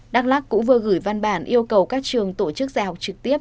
đắk lắc cũng vừa gửi văn bản yêu cầu các trường tổ chức dạy học trực tiếp